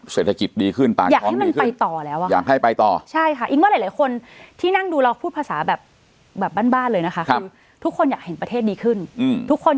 เสร็จละจิตดีขึ้นตามส้อมดีขึ้น